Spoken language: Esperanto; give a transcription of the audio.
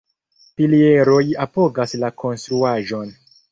Pilieroj apogas la konstruaĵon.